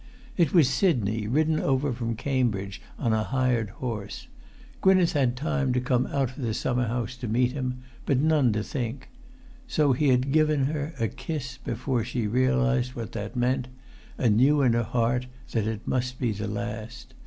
It was Sidney, ridden over from Cambridge on a hired horse. Gwynneth had time to come out of the summer house to meet him, but none to think. So he had given her a kiss before she realised what that meant—and knew in her heart that it must be the last.